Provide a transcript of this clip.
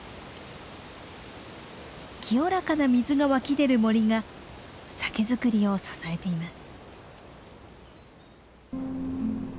清らかな水が湧き出る森が酒造りを支えています。